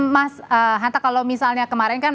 mas hanta kalau misalnya kemarin kan